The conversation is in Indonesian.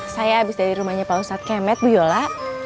saya habis dari rumahnya pak ustadz kemet bu yola